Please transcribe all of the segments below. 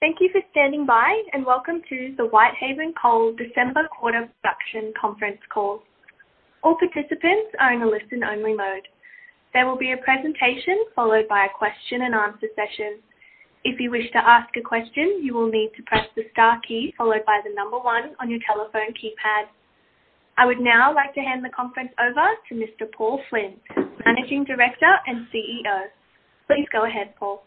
Thank you for standing by, and welcome to the Whitehaven Coal December Quarter Production Conference Call. All participants are in a listen-only mode. There will be a presentation followed by a question-and-answer session. If you wish to ask a question, you will need to press the star key followed by the number one on your telephone keypad. I would now like to hand the conference over to Mr. Paul Flynn, Managing Director and CEO. Please go ahead, Paul.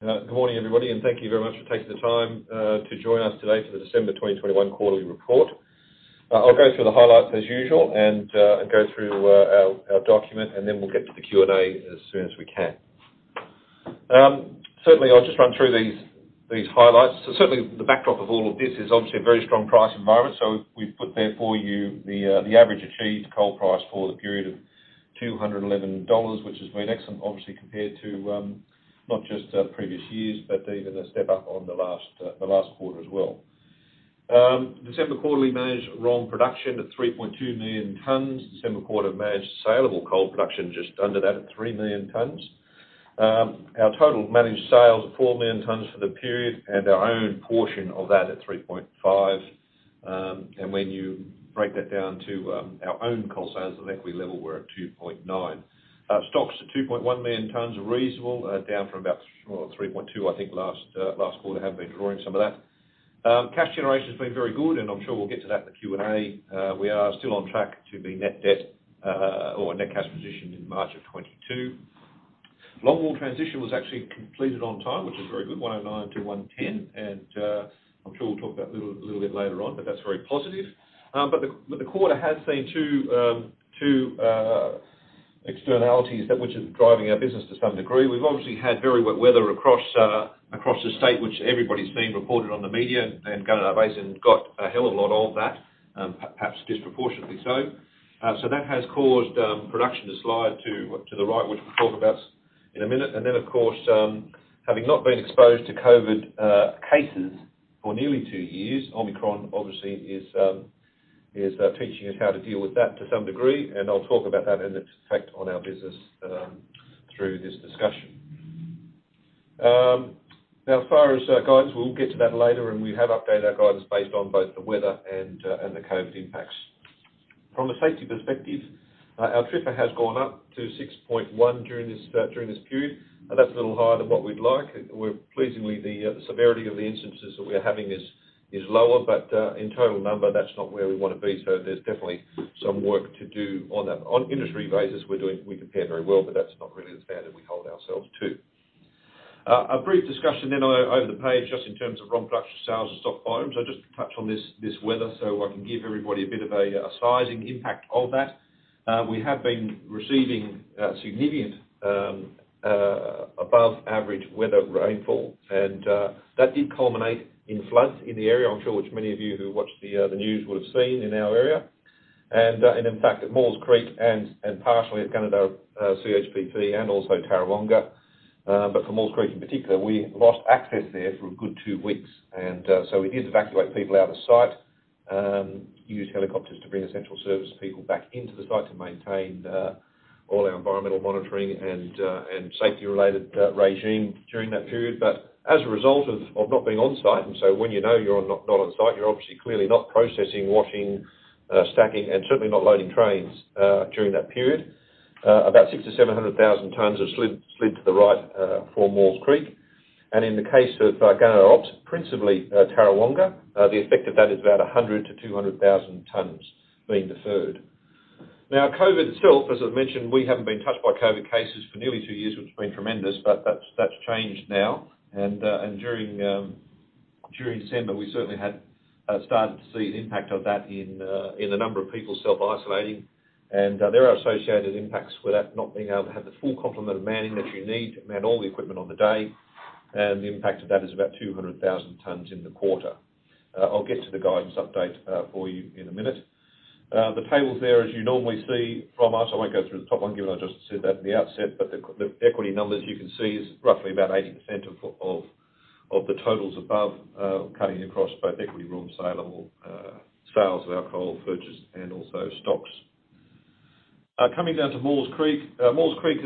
Good morning, everybody, and thank you very much for taking the time to join us today for the December 2021 Quarterly Report. I'll go through the highlights as usual and go through our document, and then we'll get to the Q&A as soon as we can. Certainly, I'll just run through these highlights. Certainly, the backdrop of all of this is obviously a very strong price environment, so we've put there for you the average achieved coal price for the period of $211, which has been excellent, obviously, compared to not just previous years, but even a step up on the last quarter as well. December Quarterly Managed ROM Production at 3.2 million tons. December Quarter Managed Saleable Coal Production just under that at 3 million tons. Our total Managed Sales of 4 million tons for the period and our own portion of that at 3.5. When you break that down to our own coal sales at equity level, we're at 2.9. Stocks at 2.1 million tons are reasonable, down from about 3.2, I think, last quarter. We have been drawing some of that. Cash generation has been very good, and I'm sure we'll get to that in the Q&A. We are still on track to be net debt or net cash position in March of 2022. Longwall transition was actually completed on time, which is good, 109-110, and I'm sure we'll talk about a little bit later on, but that's very positive. The quarter has seen two externalities which are driving our business to some degree. We've obviously had very wet weather across the state, which everybody's seen, reported on the media, and Gunnedah Basin got a hell of a lot of that, perhaps disproportionately so. So that has caused production to slide to the right, which we'll talk about in a minute. And then, of course, having not been exposed to COVID cases for nearly two years, Omicron obviously is teaching us how to deal with that to some degree, and I'll talk about that and its effect on our business through this discussion. Now, as far as guidance, we'll get to that later, and we have updated our guidance based on both the weather and the COVID impacts. From a safety perspective, our TRIFR has gone up to 6.1 during this period. That's a little higher than what we'd like. Pleasingly, the severity of the instances that we're having is lower, but in total number, that's not where we want to be, so there's definitely some work to do on that. On industry basis, we compare very well, but that's not really the standard we hold ourselves to. A brief discussion then over the page just in terms of ROM production sales and stock volumes. I'll just touch on this weather so I can give everybody a bit of a sizing impact of that. We have been receiving significant above-average weather rainfall, and that did culminate in floods in the area, I'm sure, which many of you who watch the news would have seen in our area. And in fact, at Maules Creek and partially at Gunnedah CHPP and also Tarawonga, but for Maules Creek in particular, we lost access there for a good two weeks. And so we did evacuate people out of site, used helicopters to bring essential service people back into the site to maintain all our environmental monitoring and safety-related regime during that period. But as a result of not being on site, and so when you know you're not on site, you're obviously clearly not processing, washing, stacking, and certainly not loading trains during that period. About 600,000-700,000 tons have slid to the right for Maules Creek. And in the case of Gunnedah Open Cuts principally Tarawonga, the effect of that is about 100,000-200,000 tons being deferred. Now, COVID itself, as I've mentioned, we haven't been touched by COVID cases for nearly two years, which has been tremendous, but that's changed now. And during December, we certainly had started to see the impact of that in the number of people self-isolating, and there are associated impacts with that, not being able to have the full complement of manning that you need to man all the equipment on the day. The impact of that is about 200,000 tons in the quarter. I'll get to the guidance update for you in a minute. The tables there, as you normally see from us, I won't go through the top one given I just said that at the outset, but the equity numbers you can see is roughly about 80% of the totals above, cutting across both equity ROM saleable sales of our coal purchase and also stocks. Coming down to Maules Creek, Maules Creek,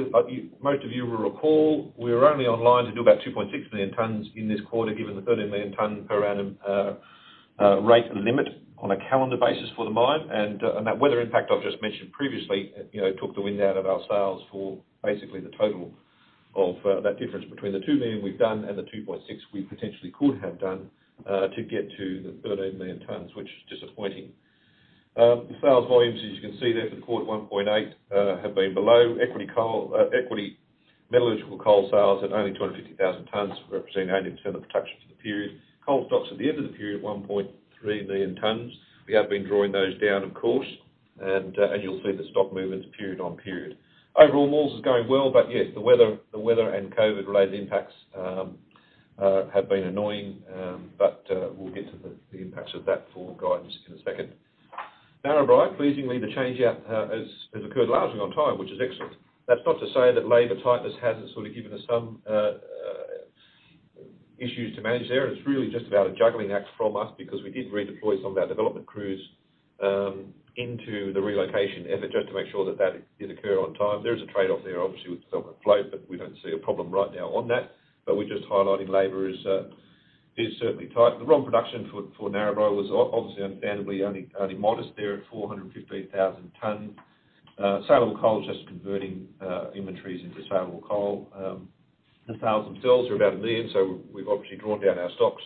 most of you will recall we were only on line to do about 2.6 million tons in this quarter given the 13 million ton per annum rate limit on a calendar basis for the mine. That weather impact I've just mentioned previously took the wind out of our sales for basically the total of that difference between the 2 million we've done and the 2.6 we potentially could have done to get to the 13 million tons, which is disappointing. Sales volumes, as you can see there for the quarter, 1.8 have been below. Equity metallurgical coal sales at only 250,000 tons representing 80% of production for the period. Coal stocks at the end of the period at 1.3 million tons. We have been drawing those down, of course, and you'll see the stock movements period on period. Overall, Maules Creek is going well, but yes, the weather and COVID-related impacts have been annoying, but we'll get to the impacts of that for guidance in a second. Narrabri, pleasingly, the changeout has occurred largely on time, which is excellent. That's not to say that labor tightness hasn't sort of given us some issues to manage there. It's really just about a juggling act from us because we did redeploy some of our development crews into the relocation effort just to make sure that that did occur on time. There is a trade-off there, obviously, with development float, but we don't see a problem right now on that. But we're just highlighting labor is certainly tight. The ROM production for Narrabri was obviously understandably only modest there at 415,000 tons. Saleable coal is just converting inventories into saleable coal. The sales themselves are about a million, so we've obviously drawn down our stocks,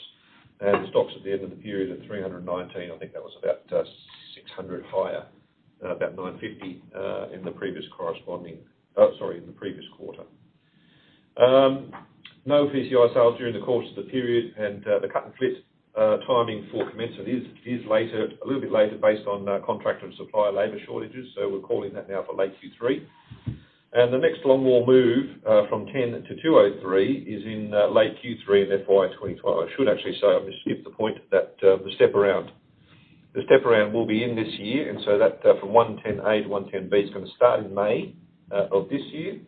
and the stocks at the end of the period are 319. I think that was about 600 higher, about 950 in the previous corresponding sorry, in the previous quarter. No PCI sales during the course of the period, and the cut-and-fit timing for commencement is a little bit later based on contractor and supplier labor shortages, so we're calling that now for late Q3. The next longwall move from 10 to 203 is in late Q3 and therefore in 2012. I should actually say I missed the point that the step around will be in this year, and so that from 110A to 110B is going to start in May of this year,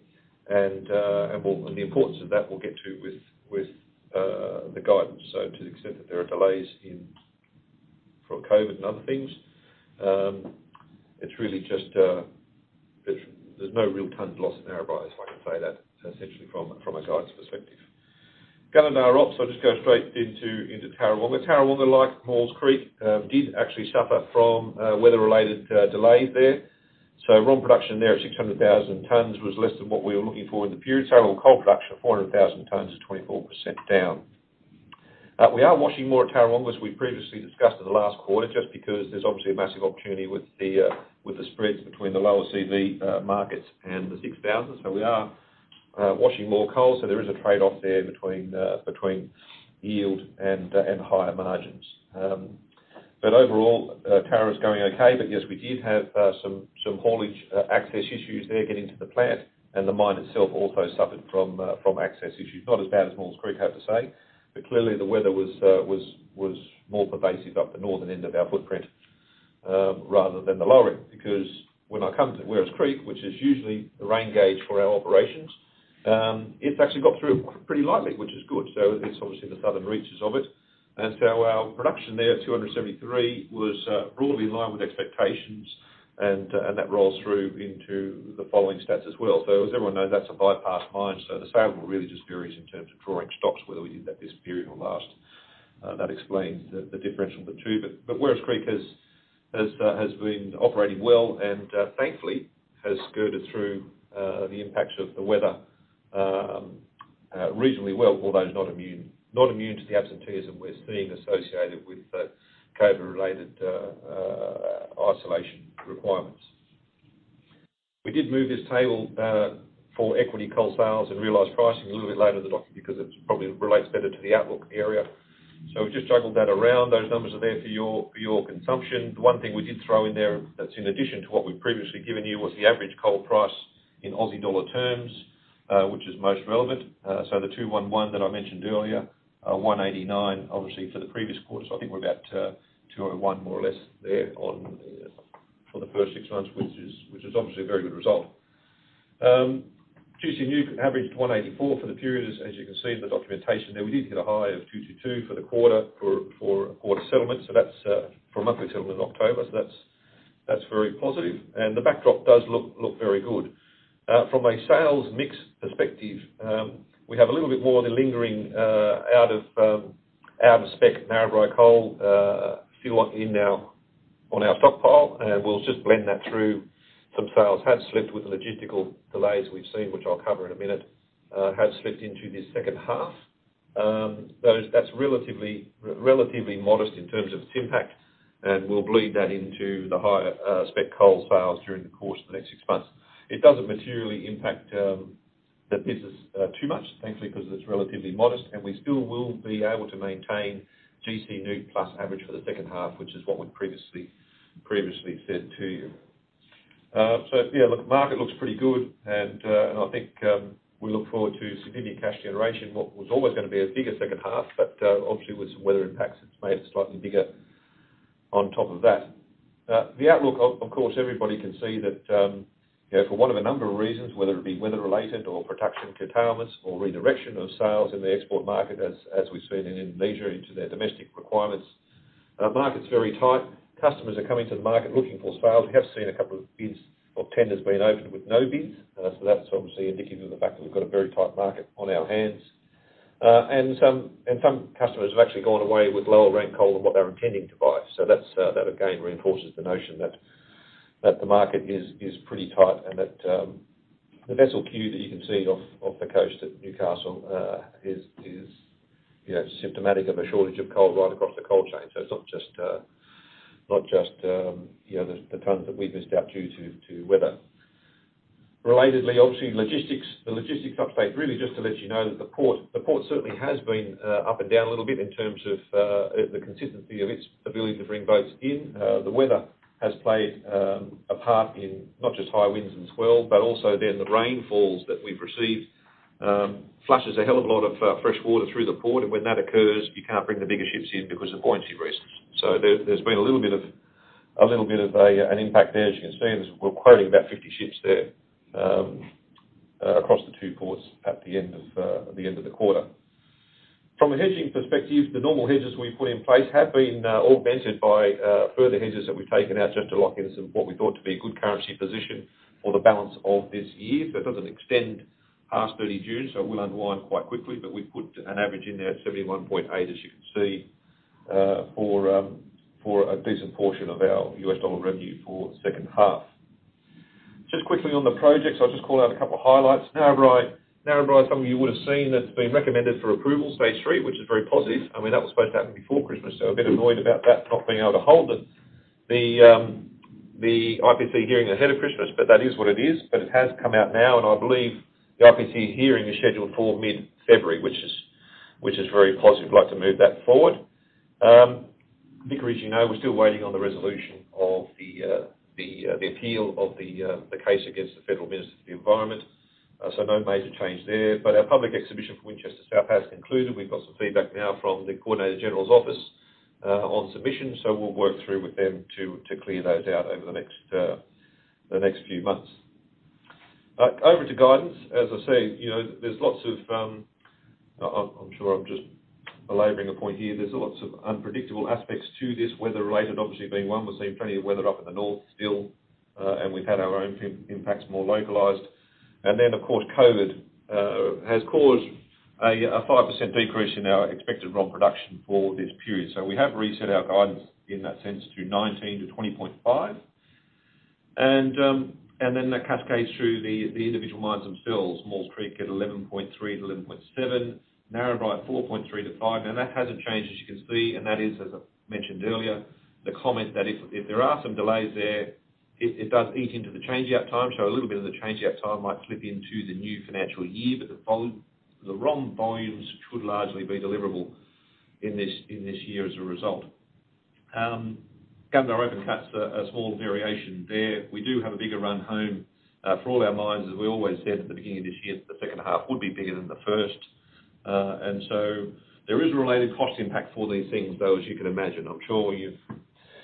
and the importance of that we'll get to with the guidance. To the extent that there are delays for COVID and other things, it's really just there's no real tons lost in Narrabri, if I can say that, essentially from a guidance perspective. Gunnedah Open Cuts, I'll just go straight into Tarawonga. Tarawonga, like Maules Creek, did actually suffer from weather-related delays there. ROM production there at 600,000 tons was less than what we were looking for in the period. Saleable coal production of 400,000 tons is 24% down. We are washing more at Tarawonga as we previously discussed in the last quarter just because there's obviously a massive opportunity with the spreads between the lower CV markets and the 6,000. So we are washing more coal, so there is a trade-off there between yield and higher margins. But overall, Tarawonga is going okay, but yes, we did have some haulage access issues there getting to the plant, and the mine itself also suffered from access issues. Not as bad as Maules Creek, I have to say, but clearly the weather was more pervasive up the northern end of our footprint rather than the lower end because when I come to Werris Creek, which is usually the rain gauge for our operations, it's actually got through pretty lightly, which is good. So it's obviously the southern reaches of it. And so our production there at 273 was broadly in line with expectations, and that rolls through into the following stats as well. So as everyone knows, that's a bypass mine, so the saleable really just varies in terms of drawing stocks, whether we did that this period or last. That explains the difference from the two. But Werris Creek has been operating well and thankfully has skirted through the impacts of the weather reasonably well, although it's not immune to the absenteeism we're seeing associated with the COVID-related isolation requirements. We did move this table for equity coal sales and realized pricing a little bit later in the document because it probably relates better to the outlook area. So we've just juggled that around. Those numbers are there for your consumption. The one thing we did throw in there that's in addition to what we've previously given you was the average coal price in Aussie dollar terms, which is most relevant. So the 211 that I mentioned earlier, 189, obviously for the previous quarter, so I think we're about 201 more or less there for the first six months, which is obviously a very good result. GC NEWC averaged 184 for the period, as you can see in the documentation there. We did hit a high of 222 for the quarter for a quarter settlement, so that's for monthly settlement in October, so that's very positive, and the backdrop does look very good. From a sales mix perspective, we have a little bit more of the lingering out-of-spec Narrabri coal still in on our stockpile, and we'll just blend that through some sales had slipped with the logistical delays we've seen, which I'll cover in a minute, had slipped into this second half. That's relatively modest in terms of its impact, and we'll bleed that into the higher spec coal sales during the course of the next six months. It doesn't materially impact the business too much, thankfully, because it's relatively modest, and we still will be able to maintain GC NEWC plus average for the second half, which is what we previously said to you. So yeah, look, the market looks pretty good, and I think we look forward to significant cash generation, what was always going to be a bigger second half, but obviously with some weather impacts, it's made it slightly bigger on top of that. The outlook, of course, everybody can see that for one of a number of reasons, whether it be weather-related or production curtailments or redirection of sales in the export market, as we've seen in Indonesia into their domestic requirements. Market's very tight. Customers are coming to the market looking for sales. We have seen a couple of bids or tenders being opened with no bids, so that's obviously indicative of the fact that we've got a very tight market on our hands, and some customers have actually gone away with lower-ranked coal than what they're intending to buy, so that, again, reinforces the notion that the market is pretty tight and that the vessel queue that you can see off the coast at Newcastle is symptomatic of a shortage of coal right across the coal chain, so it's not just the tons that we've missed out due to weather. Relatedly, obviously, the logistics update, really just to let you know that the port certainly has been up and down a little bit in terms of the consistency of its ability to bring boats in. The weather has played a part in not just high winds and swells, but also then the rainfalls that we've received flushes a hell of a lot of fresh water through the port, and when that occurs, you can't bring the bigger ships in because of buoyancy reasons, so there's been a little bit of an impact there, as you can see. We're quoting about 50 ships there across the two ports at the end of the quarter. From a hedging perspective, the normal hedges we've put in place have been augmented by further hedges that we've taken out just to lock in some what we thought to be a good currency position for the balance of this year. So it doesn't extend past 30 June, so it will unwind quite quickly, but we've put an average in there at 71.8, as you can see, for a decent portion of our US dollar revenue for the second half. Just quickly on the projects, I'll just call out a couple of highlights. Narrabri, some of you would have seen that's been recommended for approval, Stage 3, which is very positive. I mean, that was supposed to happen before Christmas, so a bit annoyed about that not being able to hold the IPC hearing ahead of Christmas, but that is what it is. But it has come out now, and I believe the IPC hearing is scheduled for mid-February, which is very positive. We'd like to move that forward. Vickery, you know, we're still waiting on the resolution of the appeal of the case against the Federal Ministry for the Environment, so no major change there. But our public exhibition for Winchester South has concluded. We've got some feedback now from the Coordinator-General's Office on submission, so we'll work through with them to clear those out over the next few months. Over to guidance. As I say, there's lots of. I'm sure I'm just belaboring a point here. There's lots of unpredictable aspects to this, weather-related, obviously being one. We're seeing plenty of weather up in the north still, and we've had our own impacts more localized. And then, of course, COVID has caused a 5% decrease in our expected ROM production for this period. So we have reset our guidance in that sense to 19 to 20.5. And then that cascades through the individual mines themselves. Maules Creek at 11.3-11.7, Narrabri 4.3-5. Now, that hasn't changed, as you can see, and that is, as I mentioned earlier, the comment that if there are some delays there, it does eat into the changeout time. So a little bit of the changeout time might slip into the new financial year, but the ROM volumes should largely be deliverable in this year as a result. Gunnedah Open Cuts a small variation there. We do have a bigger run home for all our mines, as we always said at the beginning of this year, that the second half would be bigger than the first. And so there is a related cost impact for these things, though, as you can imagine. I'm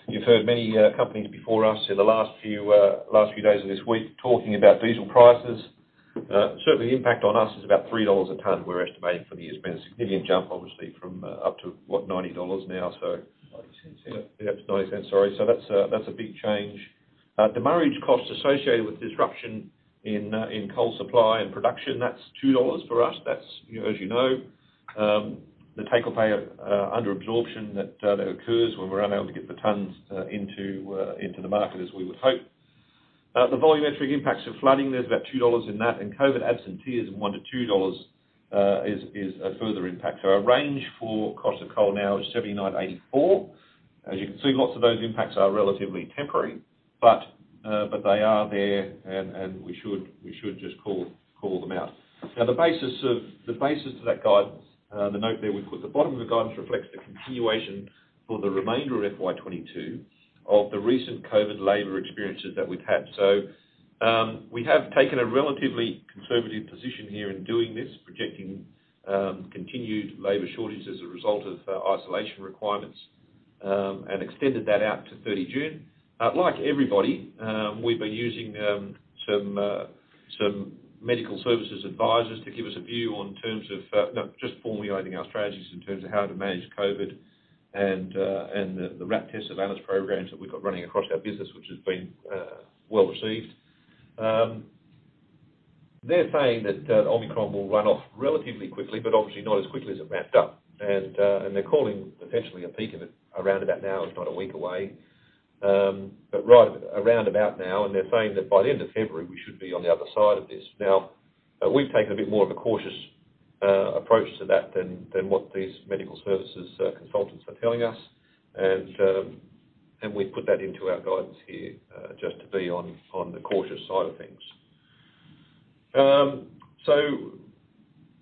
sure you've heard many companies before us in the last few days of this week talking about diesel prices. Certainly, the impact on us is about $3 a ton we're estimating for the year. It's been a significant jump, obviously, from up to, what, $90 now, so $0.90, sorry. So that's a big change. Demurrage cost associated with disruption in coal supply and production, that's $2 for us. That's, as you know, the take-or-pay under absorption that occurs when we're unable to get the tons into the market as we would hope. The volumetric impacts of flooding, there's about $2 in that, and COVID absenteeism, $1-$2 is a further impact. So our range for cost of coal now is 79.84. As you can see, lots of those impacts are relatively temporary, but they are there, and we should just call them out. Now, the basis of that guidance, the note there we put at the bottom of the guidance reflects the continuation for the remainder of FY22 of the recent COVID labor experiences that we've had. So we have taken a relatively conservative position here in doing this, projecting continued labor shortages as a result of isolation requirements and extended that out to 30 June. Like everybody, we've been using some medical services advisors to give us a view in terms of just formally owning our strategies in terms of how to manage COVID and the RAT surveillance programs that we've got running across our business, which has been well received. They're saying that Omicron will run off relatively quickly, but obviously not as quickly as it ramped up. And they're calling potentially a peak of it around about now, if not a week away, but around about now, and they're saying that by the end of February, we should be on the other side of this. Now, we've taken a bit more of a cautious approach to that than what these medical services consultants are telling us, and we've put that into our guidance here just to be on the cautious side of things. So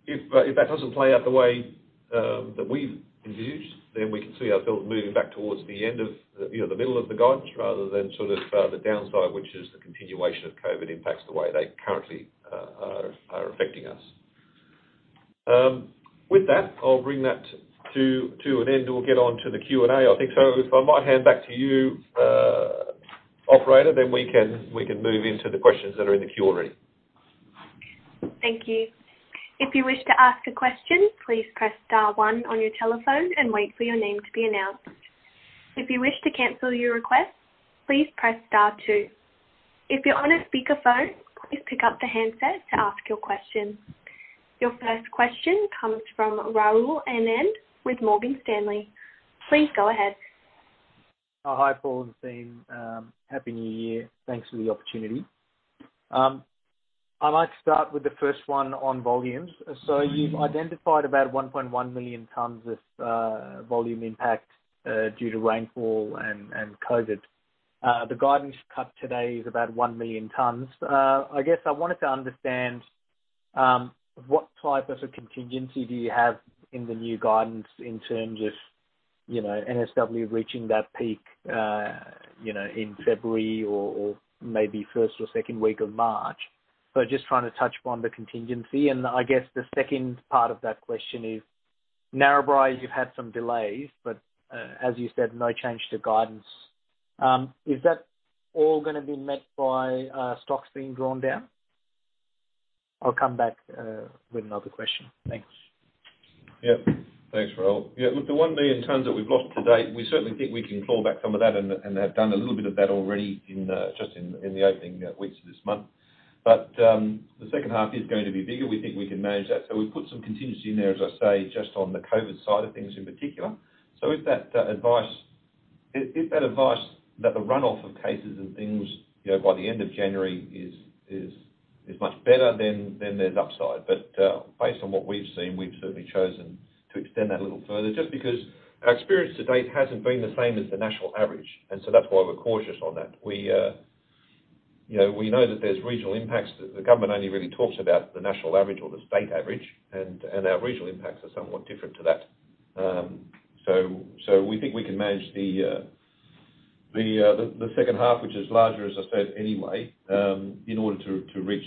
if that doesn't play out the way that we've envisaged, then we can see ourselves moving back towards the end of the middle of the guidance rather than sort of the downside, which is the continuation of COVID impacts the way they currently are affecting us. With that, I'll bring that to an end. We'll get on to the Q&A. I think so. If I might hand back to you, operator, then we can move into the questions that are in the Q already. Thank you. If you wish to ask a question, please press star one on your telephone and wait for your name to be announced. If you wish to cancel your request, please press star two. If you're on a speakerphone, please pick up the handset to ask your question. Your first question comes from Rahul Anand with Morgan Stanley. Please go ahead. Hi, Paul Flynn. Happy New Year. Thanks for the opportunity. I might start with the first one on volumes. So you've identified about 1.1 million tons of volume impact due to rainfall and COVID. The guidance cut today is about 1 million tons. I guess I wanted to understand what type of a contingency do you have in the new guidance in terms of NSW reaching that peak in February or maybe first or second week of March. So just trying to touch upon the contingency. And I guess the second part of that question is, Narrabri, you've had some delays, but as you said, no change to guidance. Is that all going to be met by stocks being drawn down? I'll come back with another question. Thanks. Yep. Thanks, Rahul. Yeah, look, the 1 million tons that we've lost to date, we certainly think we can claw back some of that and have done a little bit of that already just in the opening weeks of this month. But the second half is going to be bigger. We think we can manage that. So we've put some contingency in there, as I say, just on the COVID side of things in particular. So if that advice that the runoff of cases and things by the end of January is much better, then there's upside. But based on what we've seen, we've certainly chosen to extend that a little further just because our experience to date hasn't been the same as the national average. And so that's why we're cautious on that. We know that there's regional impacts that the government only really talks about the national average or the state average, and our regional impacts are somewhat different to that. So we think we can manage the second half, which is larger, as I said, anyway, in order to reach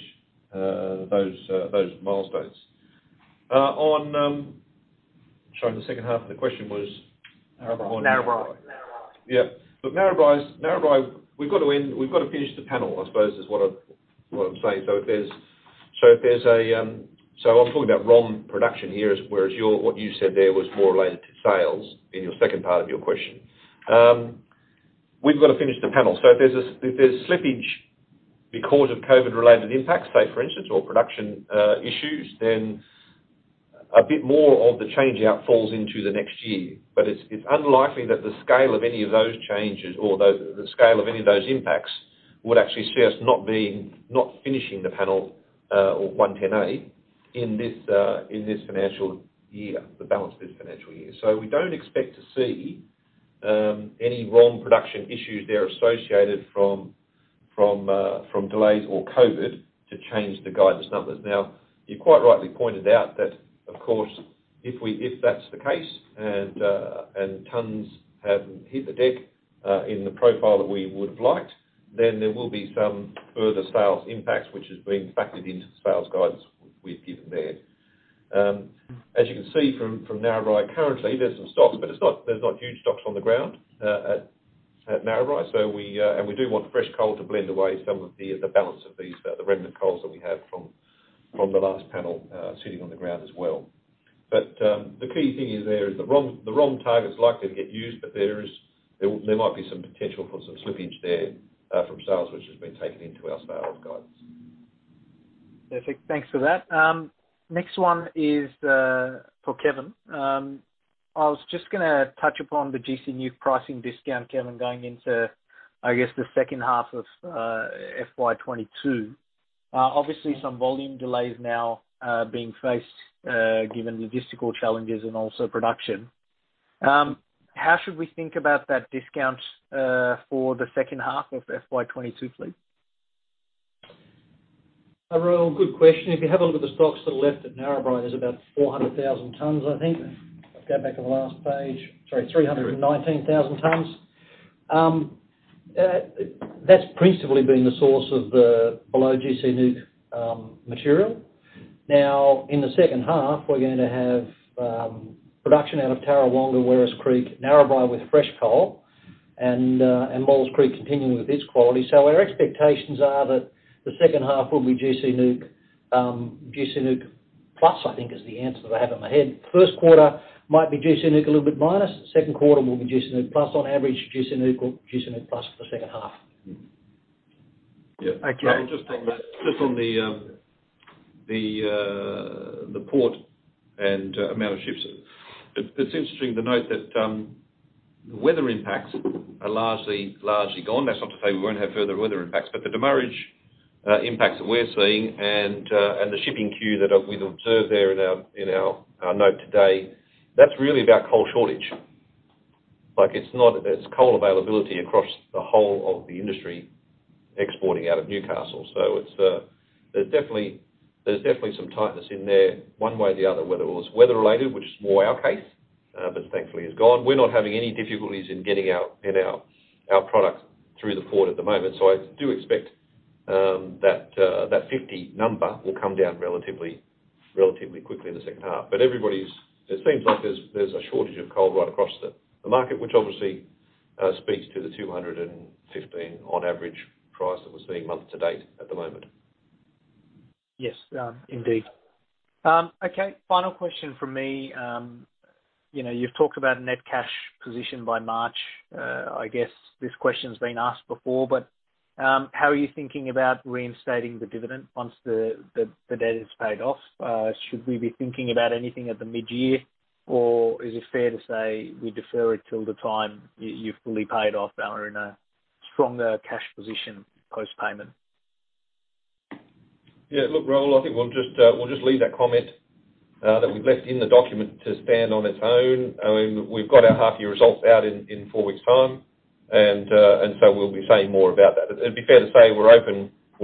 those milestones. Sorry, the second half of the question was. Narrabri. Narrabri. Yeah. Look, Narrabri, we've got to finish the panel, I suppose, is what I'm saying. So I'm talking about ROM production here, whereas what you said there was more related to sales in your second part of your question. We've got to finish the panel. So if there's slippage because of COVID-related impacts, say, for instance, or production issues, then a bit more of the changeout falls into the next year. But it's unlikely that the scale of any of those changes or the scale of any of those impacts would actually see us not finishing the panel or 110A in this financial year, the balance of this financial year. So we don't expect to see any ROM production issues there associated from delays or COVID to change the guidance numbers. Now, you quite rightly pointed out that, of course, if that's the case and tons have hit the deck in the profile that we would have liked, then there will be some further sales impacts, which has been factored into the sales guidance we've given there. As you can see from Narrabri currently, there's some stocks, but there's not huge stocks on the ground at Narrabri. And we do want fresh coal to blend away some of the balance of the remnant coals that we have from the last panel sitting on the ground as well. But the key thing there is the ROM target's likely to get used, but there might be some potential for some slippage there from sales, which has been taken into our sales guidance. Perfect. Thanks for that. Next one is for Kevin. I was just going to touch upon the GC NEWC pricing discount, Kevin, going into, I guess, the second half of FY22. Obviously, some volume delays now being faced given logistical challenges and also production. How should we think about that discount for the second half of FY22, please? Rahul, good question. If you have a look at the stocks to the left at Narrabri, there's about 400,000 tons, I think. I'll go back to the last page. Sorry, 319,000 tons. That's principally been the source of the below GC NEWC material. Now, in the second half, we're going to have production out of Tarawonga, Werris Creek, Narrabri with fresh coal, and Maules Creek continuing with its quality. So our expectations are that the second half will be GC NEWC plus, I think, is the answer that I have in my head. First quarter might be GC NEWC a little bit minus. Second quarter will be GC NEWC plus. On average, GC NEWC or GC NEWC plus for the second half. Yeah. Just on the port and amount of ships, it's interesting to note that the weather impacts are largely gone. That's not to say we won't have further weather impacts, but the demurrage impacts that we're seeing and the shipping queue that we've observed there in our note today, that's really about coal shortage. It's coal availability across the whole of the industry exporting out of Newcastle. So there's definitely some tightness in there one way or the other, whether it was weather-related, which is more our case, but thankfully is gone. We're not having any difficulties in getting our product through the port at the moment. So I do expect that 50 number will come down relatively quickly in the second half. But it seems like there's a shortage of coal right across the market, which obviously speaks to the $215 average price that we're seeing month to date at the moment. Yes, indeed. Okay. Final question from me. You've talked about net cash position by March. I guess this question's been asked before, but how are you thinking about reinstating the dividend once the debt is paid off? Should we be thinking about anything at the mid-year, or is it fair to say we defer it till the time you've fully paid off or in a stronger cash position post-payment? Yeah. Look, Rahul, I think we'll just leave that comment that we've left in the document to stand on its own. We've got our half-year results out in four weeks' time, and so we'll be saying more about that. It'd be fair to say we're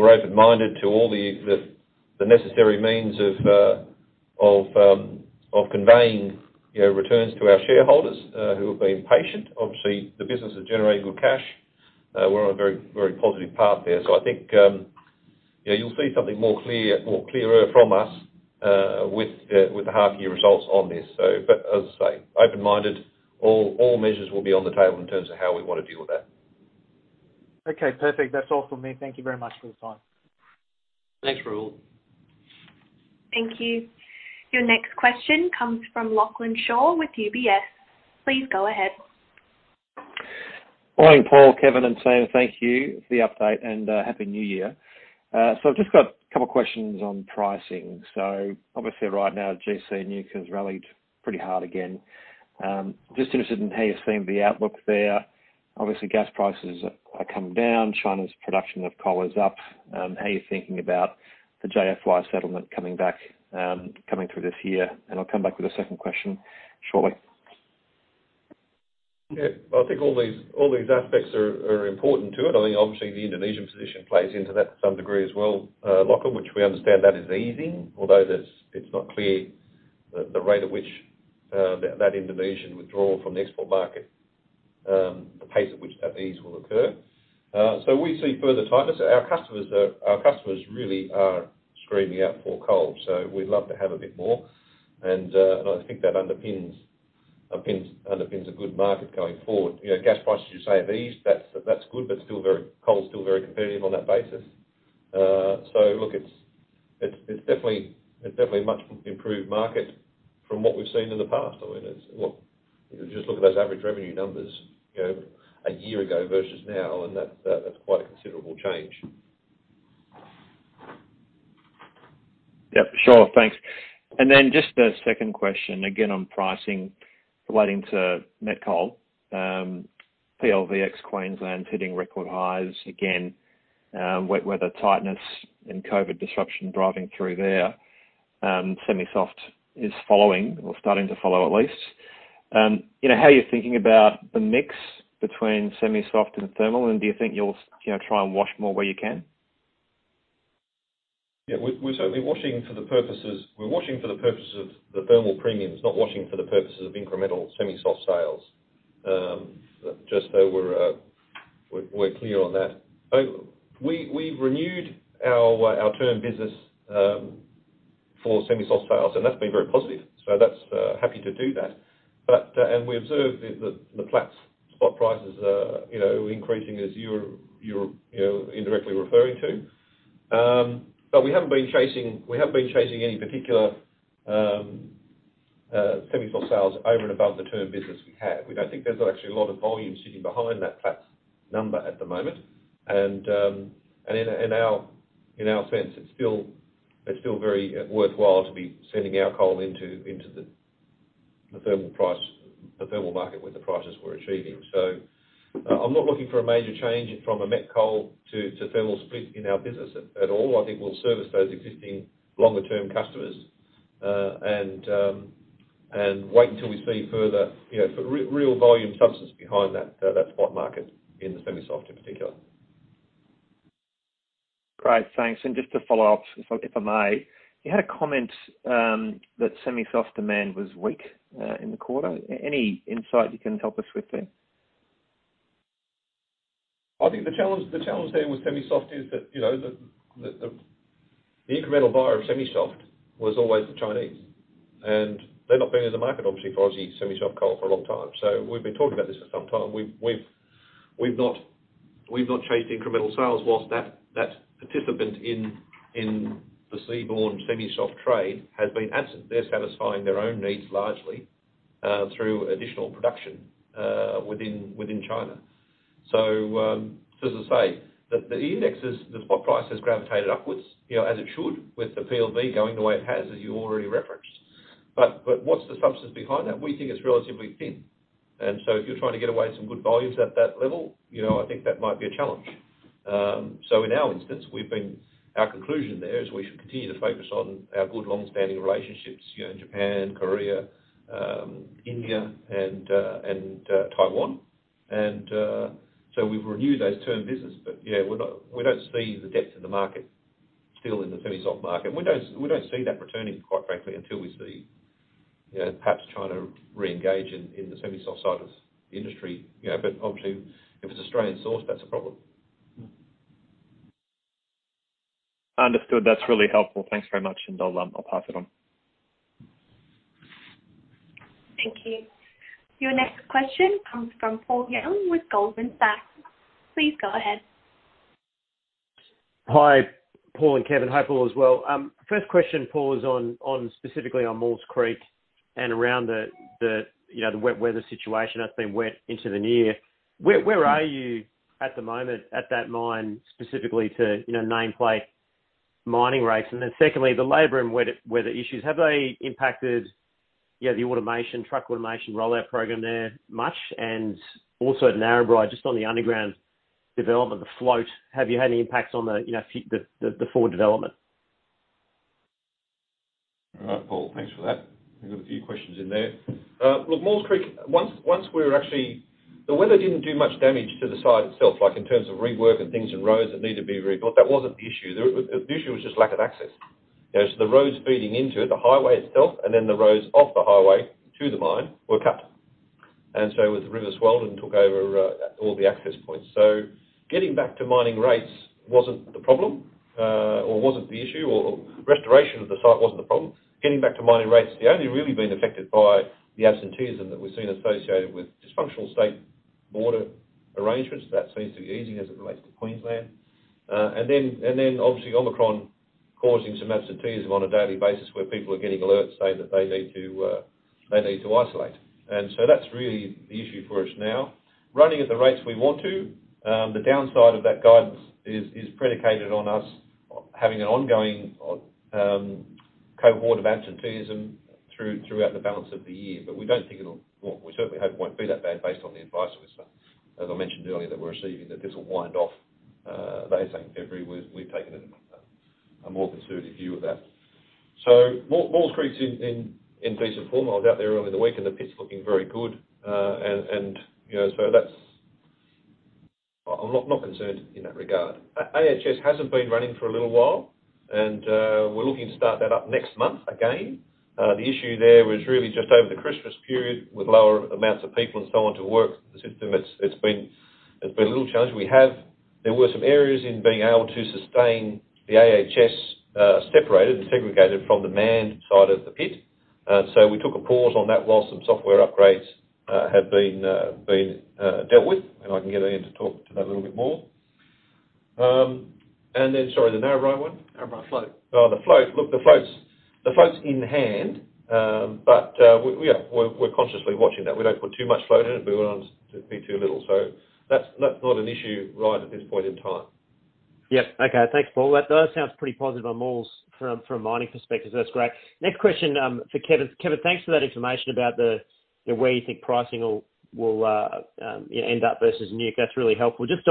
open-minded to all the necessary means of conveying returns to our shareholders who have been patient. Obviously, the business has generated good cash. We're on a very positive path there. So I think you'll see something more clearer from us with the half-year results on this. But as I say, open-minded. All measures will be on the table in terms of how we want to deal with that. Okay. Perfect. That's all from me. Thank you very much for the time. Thanks, Rahul. Thank you. Your next question comes from Lachlan Shaw with UBS. Please go ahead. Morning, Paul, Kevin, and Flynn. Thank you for the update and happy new year. So I've just got a couple of questions on pricing. So obviously, right now, GC NEWC has rallied pretty hard again. Just interested in how you're seeing the outlook there. Obviously, gas prices are coming down. China's production of coal is up. How are you thinking about the JFY settlement coming back through this year? And I'll come back with a second question shortly. Yeah. Well, I think all these aspects are important to it. I think, obviously, the Indonesian position plays into that to some degree as well, Lachlan, which we understand that is easing, although it's not clear the rate at which that Indonesian withdrawal from the export market, the pace at which that ease will occur. So we see further tightness. Our customers really are screaming out for coal, so we'd love to have a bit more. And I think that underpins a good market going forward. Gas prices, you say, are eased. That's good, but coal's still very competitive on that basis. So look, it's definitely a much improved market from what we've seen in the past. I mean, just look at those average revenue numbers a year ago versus now, and that's quite a considerable change. Yep. Sure. Thanks. And then just the second question, again, on pricing relating to met coal. PLV. Queensland's hitting record highs again. Wet weather tightness and COVID disruption driving through there. Semi-Soft is following or starting to follow at least. How are you thinking about the mix between Semi-Soft and Thermal, and do you think you'll try and wash more where you can? Yeah. We're certainly washing for the purpose of the thermal premiums, not washing for the purposes of incremental Semi-Soft sales. Just so we're clear on that. We've renewed our term business for Semi-Soft sales, and that's been very positive. So we're happy to do that. And we observed the Platts spot prices increasing, as you're indirectly referring to. But we haven't been chasing any particular Semi-Soft sales over and above the term business we had. We don't think there's actually a lot of volume sitting behind that Platts number at the moment. And in our sense, it's still very worthwhile to be sending our coal into the thermal market with the prices we're achieving. So I'm not looking for a major change from a met coal to thermal split in our business at all. I think we'll service those existing longer-term customers and wait until we see further real volume substance behind that spot market in the Semi-Soft in particular. Great. Thanks. And just to follow up, if I may, you had a comment that Semi-Soft demand was weak in the quarter. Any insight you can help us with there? I think the challenge there with Semi-Soft is that the incremental buyer of Semi-Soft was always the Chinese. And they're not been in the market, obviously, for OZ Semi-Soft coal for a long time. So we've been talking about this for some time. We've not chased incremental sales, whilst that participant in the seaborne Semi-Soft trade has been absent. They're satisfying their own needs largely through additional production within China. So just to say, the spot price has gravitated upwards, as it should, with the PLV going the way it has, as you already referenced. But what's the substance behind that? We think it's relatively thin. And so if you're trying to get away some good volumes at that level, I think that might be a challenge. So in our instance, our conclusion there is we should continue to focus on our good long-standing relationships in Japan, Korea, India, and Taiwan. And so we've renewed those term business. But yeah, we don't see the depth in the market still in the Semi-Soft market. We don't see that returning, quite frankly, until we see perhaps China reengage in the Semi-Soft side of the industry. But obviously, if it's Australian sourced, that's a problem. Understood. That's really helpful. Thanks very much, and I'll pass it on. Thank you. Your next question comes from Paul Young with Goldman Sachs. Please go ahead. Hi, Paul and Kevin. Hi, Paul as well. First question, Paul, is specifically on Maules Creek and around the wet weather situation that's been wet into the new year. Where are you at the moment at that mine, specifically to nameplate mining rates? And then secondly, the labour and weather issues. Have they impacted the truck automation rollout program there much? And also at Narrabri, just on the underground development, the float, have you had any impacts on the forward development? All right, Paul. Thanks for that. We've got a few questions in there. Look, Maules Creek, once we were actually the weather didn't do much damage to the site itself, like in terms of rework and things and roads that needed to be rebuilt. That wasn't the issue. The issue was just lack of access. So the roads feeding into it, the highway itself, and then the roads off the highway to the mine were cut. And so the river swelled and took over all the access points. So getting back to mining rates wasn't the problem or wasn't the issue. Restoration of the site wasn't the problem. Getting back to mining rates, they've only really been affected by the absenteeism that we've seen associated with dysfunctional state border arrangements. That seems to be easing as it relates to Queensland. And then obviously, Omicron causing some absenteeism on a daily basis where people are getting alerts saying that they need to isolate. And so that's really the issue for us now. Running at the rates we want to, the downside of that guidance is predicated on us having an ongoing cohort of absenteeism throughout the balance of the year. But we don't think it'll. We certainly hope it won't be that bad based on the advice that we've, as I mentioned earlier that we're receiving, that this will wind off. They're saying every week we've taken a more conservative view of that. So Maules Creek's in decent form. I was out there earlier in the week, and the pit's looking very good. And so I'm not concerned in that regard. AHS hasn't been running for a little while, and we're looking to start that up next month again. The issue there was really just over the Christmas period with lower amounts of people and so on to work the system. It's been a little challenge. There were some areas in being able to sustain the AHS separated and segregated from the manned side of the pit. So we took a pause on that while some software upgrades had been dealt with. And I can get Ian to talk to that a little bit more. And then, sorry, the Narrabri one? Narrabri float. Oh, the float. Look, the float's in hand, but yeah, we're consciously watching that. We don't put too much float in it. We want it to be too little. So that's not an issue right at this point in time. Yep. Okay. Thanks, Paul. That sounds pretty positive on Maules from a mining perspective. So that's great. Next question for Kevin. Kevin, thanks for that information about where you think pricing will end up versus NEWC. That's really helpful. Just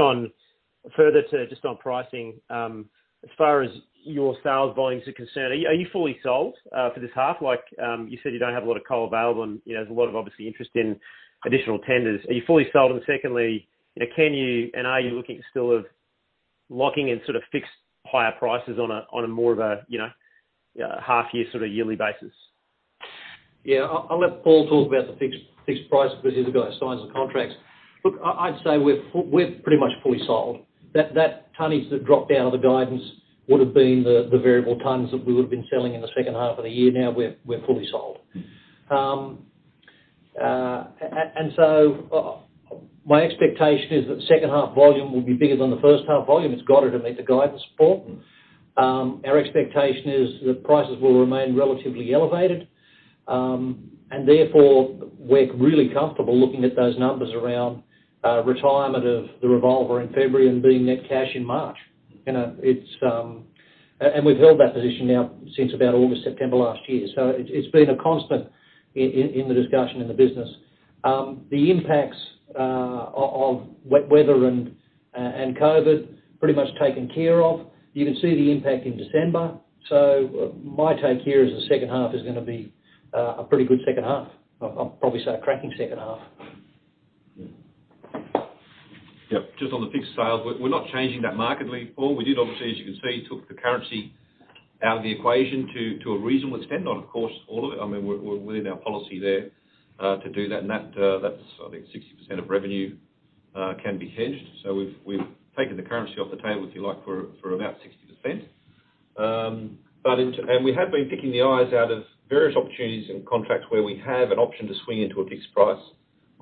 further to just on pricing, as far as your sales volumes are concerned, are you fully sold for this half? You said you don't have a lot of coal available, and there's a lot of obviously interest in additional tenders. Are you fully sold? And secondly, can you and are you looking still of locking in sort of fixed higher prices on a more of a half-year sort of yearly basis? Yeah. I'll let Paul talk about the fixed price because he's the guy who signs the contracts. Look, I'd say we're pretty much fully sold. That tonnage that dropped out of the guidance would have been the variable tonnes that we would have been selling in the second half of the year. Now we're fully sold. And so my expectation is that the second half volume will be bigger than the first half volume. It's got to meet the guidance, Paul. Our expectation is that prices will remain relatively elevated, and therefore we're really comfortable looking at those numbers around retirement of the revolver in February and being net cash in March. And we've held that position now since about August, September last year. So it's been a constant in the discussion in the business. The impacts of wet weather and COVID pretty much taken care of. You can see the impact in December. So my take here is the second half is going to be a pretty good second half. I'll probably say a cracking second half. Yep. Just on the fixed sales, we're not changing that markedly, Paul. We did, obviously, as you can see, took the currency out of the equation to a reasonable extent. Not, of course, all of it. I mean, we're within our policy there to do that. And that's, I think, 60% of revenue can be hedged. So we've taken the currency off the table, if you like, for about 60%. And we have been picking the eyes out of various opportunities and contracts where we have an option to swing into a fixed price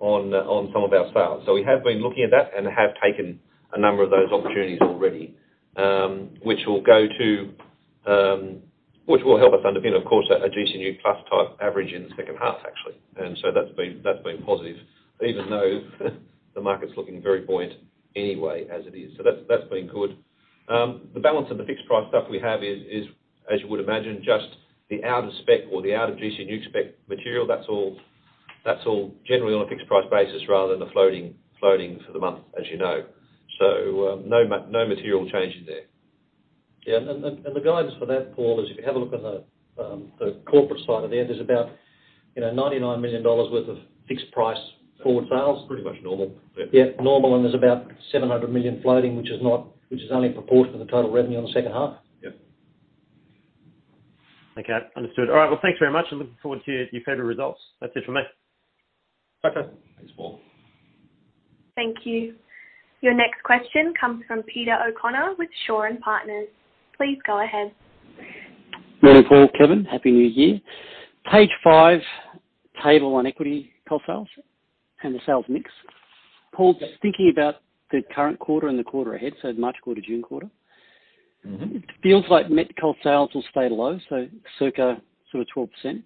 on some of our sales. So we have been looking at that and have taken a number of those opportunities already, which will help us underpin, of course, a GC NEWC plus type average in the second half, actually. That's been positive, even though the market's looking very buoyant anyway as it is. That's been good. The balance of the fixed price stuff we have is, as you would imagine, just the out-of-spec or the out-of-GC NEWC spec material. That's all generally on a fixed price basis rather than a floating for the month, as you know. No material change there. Yeah. And the guidance for that, Paul, is if you have a look on the corporate side of there, there's about $99 million worth of fixed price forward sales. Pretty much normal. Yeah. Normal. And there's about 700 million floating, which is only a proportion of the total revenue in the second half. Yep. Okay. Understood. All right. Well, thanks very much. And looking forward to your February results. That's it for me. Okay. Thanks, Paul. Thank you. Your next question comes from Peter O'Connor with Shaw and Partners. Please go ahead. Morning, Paul. Kevin, happy new year. Page five, table on equity coal sales and the sales mix. Paul, just thinking about the current quarter and the quarter ahead, so March quarter, June quarter, it feels like net coal sales will stay low, so circa sort of 12%.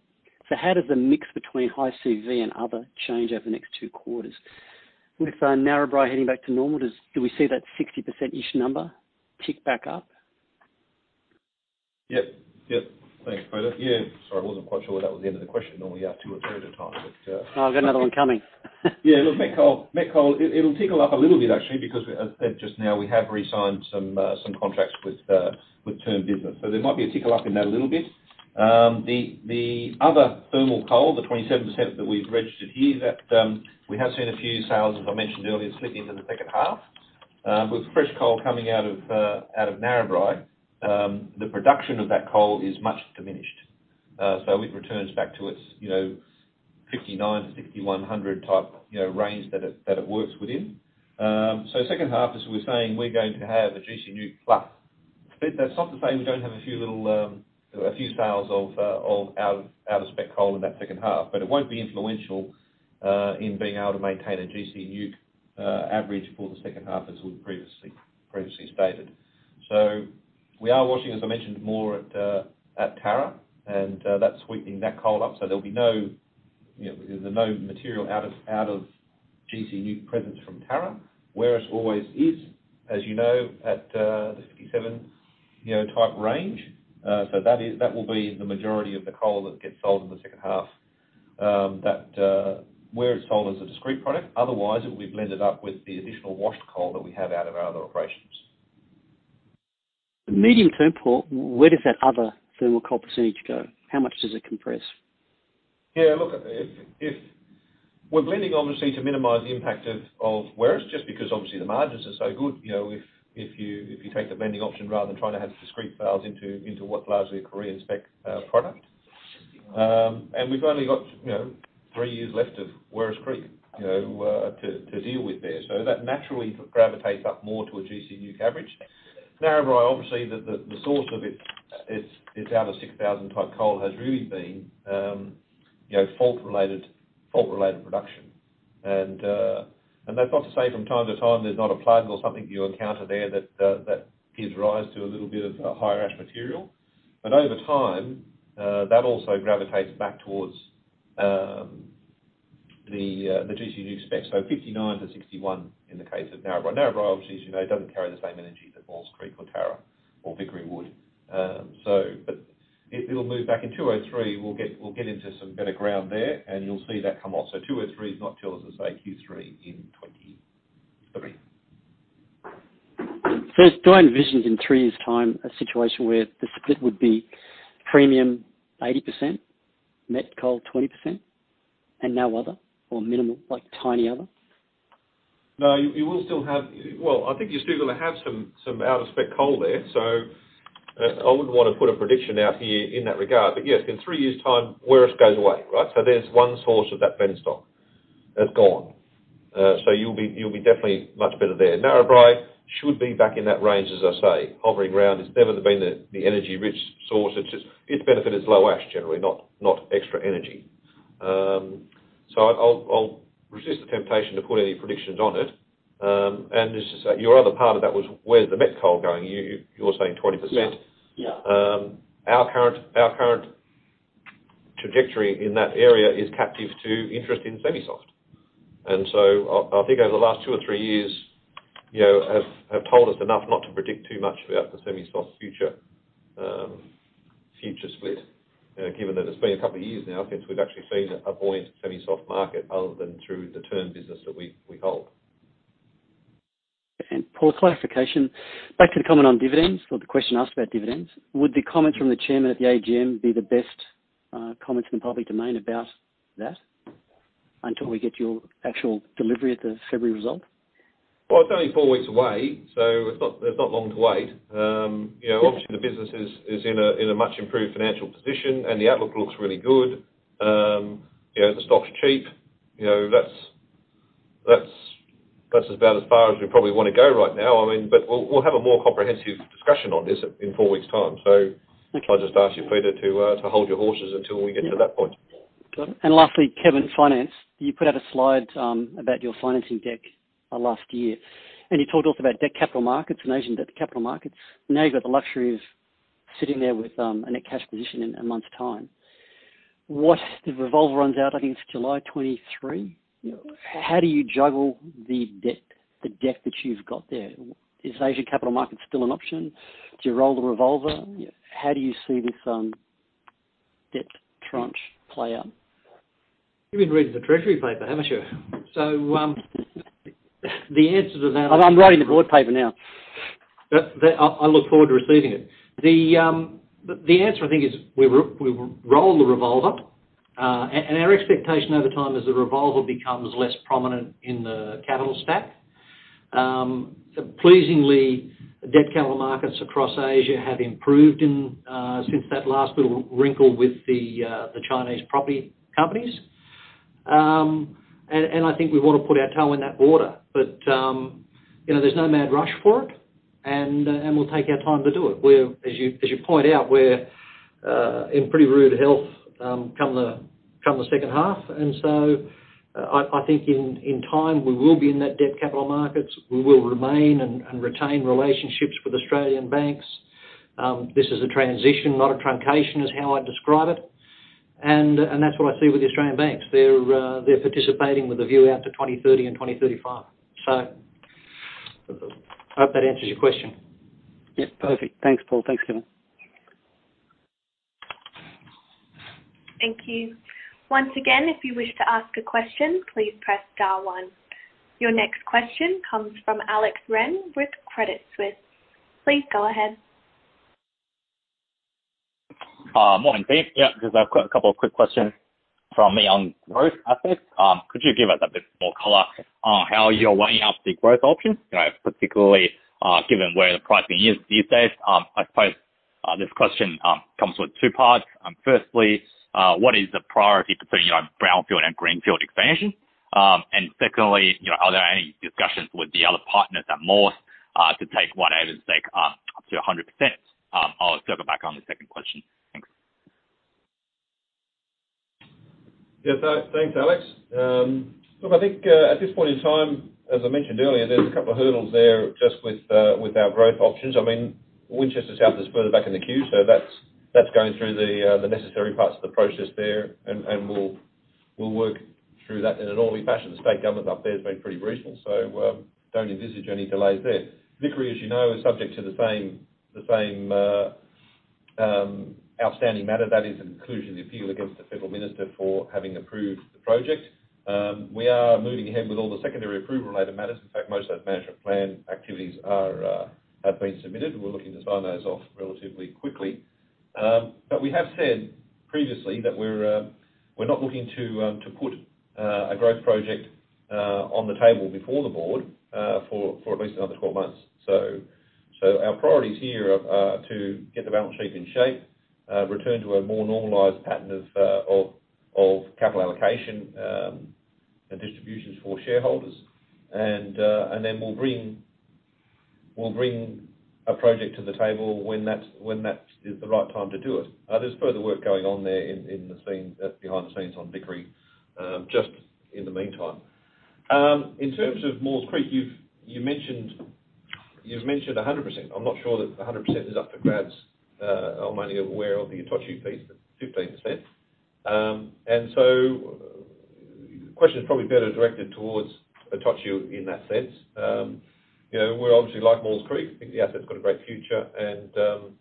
So how does the mix between high CV and other change over the next two quarters? With Narrabri heading back to normal, do we see that 60%-ish number tick back up? Yep. Yep. Thanks, Peter. Yeah. Sorry, I wasn't quite sure where that was the end of the question. Normally, you ask two or three at a time, but. Oh, I've got another one coming. Yeah. Look, met coal, it'll tickle up a little bit, actually, because, as I said just now, we have re-signed some contracts with term business. So there might be a tickle up in that a little bit. The other thermal coal, the 27% that we've registered here, that we have seen a few sales, as I mentioned earlier, slipping into the second half. With fresh coal coming out of Narrabri, the production of that coal is much diminished. So it returns back to its 59 to 61 hundred type range that it works within. So second half, as we were saying, we're going to have a GC NEWC plus. That's not to say we don't have a few sales of out-of-spec coal in that second half, but it won't be influential in being able to maintain a GC NEWC average for the second half, as we previously stated. We are watching, as I mentioned, more at Tarawonga, and that's sweeping that coal up. There'll be no material out of GC NEWC presence from Tarawonga, whereas Maules is, as you know, at the 57-type range. That will be the majority of the coal that gets sold in the second half, where it's sold as a discrete product. Otherwise, it will be blended up with the additional washed coal that we have out of our other operations. Medium term, Paul, where does that other thermal coal percentage go? How much does it compress? Yeah. Look, we're blending, obviously, to minimize the impact of Werris, just because, obviously, the margins are so good if you take the blending option rather than trying to have discrete sales into what's largely a Korean spec product. And we've only got three years left of Werris Creek to deal with there. So that naturally gravitates up more to a GC NEWC average. Narrabri, obviously, the source of its out of 6000 type coal has really been fault-related production. And that's not to say from time to time there's not a plug or something you encounter there that gives rise to a little bit of higher-ash material. But over time, that also gravitates back towards the GC NEWC spec, so 59 to 61 in the case of Narrabri. Narrabri, obviously, doesn't carry the same energy that Maules Creek or Tarawonga or Vickery would. But it'll move back in 203. We'll get into some better ground there, and you'll see that come off. So 203 is not till, as I say, Q3 in 2023. So do I envision in three years' time a situation where the split would be premium 80%, met coal 20%, and no other or minimal, like tiny other? No, you will still have well, I think you're still going to have some out-of-spec coal there. So I wouldn't want to put a prediction out here in that regard. But yes, in three years' time, Werris Creek goes away, right? So there's one source of that blend stock that's gone. So you'll be definitely much better there. Narrabri should be back in that range, as I say, hovering around. It's never been the energy-rich source. Its benefit is low ash, generally, not extra energy. So I'll resist the temptation to put any predictions on it. And your other part of that was, where's the met coal going? You were saying 20%. Our current trajectory in that area is captive to interest in semi-soft. And so I think over the last two or three years have told us enough not to predict too much about the semi-soft future split, given that it's been a couple of years now since we've actually seen a buoyant semi-soft market other than through the turn business that we hold. And Paul, clarification. Back to the comment on dividends or the question asked about dividends. Would the comments from the chairman at the AGM be the best comments in the public domain about that until we get your actual delivery of the February result? It's only four weeks away, so there's not long to wait. Obviously, the business is in a much improved financial position, and the outlook looks really good. The stock's cheap. That's about as far as we probably want to go right now. I mean, but we'll have a more comprehensive discussion on this in four weeks' time. I'll just ask you, Peter, to hold your horses until we get to that point. Got it. And lastly, Kevin, finance. You put out a slide about your financing deck last year, and you talked also about debt capital markets and Asian debt capital markets. Now you've got the luxury of sitting there with a net cash position in a month's time. The revolver runs out, I think it's July 2023. How do you juggle the debt, the debt that you've got there? Is Asian capital markets still an option? Do you roll the revolver? How do you see this debt tranche play out? You've been reading the Treasury paper, haven't you? So the answer to that. I'm writing the board paper now. I look forward to receiving it. The answer, I think, is we roll the revolver. And our expectation over time is the revolver becomes less prominent in the capital stack. Pleasingly, debt capital markets across Asia have improved since that last little wrinkle with the Chinese property companies. And I think we want to put our toe in that water. But there's no mad rush for it, and we'll take our time to do it. As you point out, we're in pretty rude health come the second half. And so I think in time, we will be in that debt capital markets. We will remain and retain relationships with Australian banks. This is a transition, not a truncation, is how I'd describe it. And that's what I see with the Australian banks. They're participating with a view out to 2030 and 2035. So I hope that answers your question. Yep. Perfect. Thanks, Paul. Thanks, Kevin. Thank you. Once again, if you wish to ask a question, please press star one. Your next question comes from Alex Ren with Credit Suisse. Please go ahead. Morning, Pete. Yep, because I've got a couple of quick questions from me on growth aspects. Could you give us a bit more color on how you're weighing up the growth options, particularly given where the pricing is these days? I suppose this question comes with two parts. Firstly, what is the priority between brownfield and greenfield expansion? And secondly, are there any discussions with the other partners at Maules to take whatever's there up to 100%? I'll circle back on the second question. Thanks. Yes. Thanks, Alex. Look, I think at this point in time, as I mentioned earlier, there's a couple of hurdles there just with our growth options. I mean, Winchester South is further back in the queue, so that's going through the necessary parts of the process there, and we'll work through that in an orderly fashion. The state government up there has been pretty reasonable, so don't envisage any delays there. Vickery, as you know, is subject to the same outstanding matter. That is an institution of the appeal against the federal minister for having approved the project. We are moving ahead with all the secondary approval-related matters. In fact, most of those management plan activities have been submitted. We're looking to sign those off relatively quickly. But we have said previously that we're not looking to put a growth project on the table before the board for at least another 12 months. So our priorities here are to get the balance sheet in shape, return to a more normalized pattern of capital allocation and distributions for shareholders. And then we'll bring a project to the table when that is the right time to do it. There's further work going on there behind the scenes on Vickery just in the meantime. In terms of Maules Creek, you've mentioned 100%. I'm not sure that 100% is up for grabs. I'm only aware of the Itochu piece, but 15%. And so the question is probably better directed towards Itochu in that sense. We obviously like Maules Creek. I think the asset's got a great future. And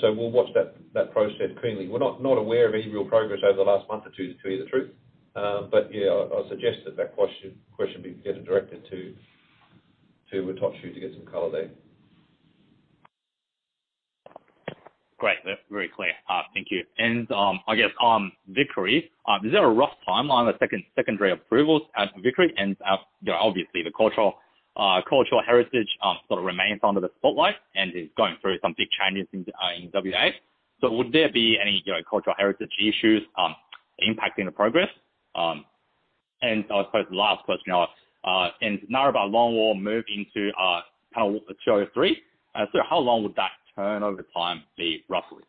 so we'll watch that process keenly. We're not aware of any real progress over the last month or two to tell you the truth. But yeah, I'll suggest that that question be directed to Itochu to get some color there. Great. Very clear. Thank you. And I guess on Vickery, is there a rough timeline of secondary approvals at Vickery? And obviously, the cultural heritage sort of remains under the spotlight and is going through some big changes in WA. So would there be any cultural heritage issues impacting the progress? And I suppose the last question now about longwall move into kind of zone three. So how long would that turnaround time be, roughly?